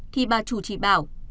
khi bà chủ chỉ bảo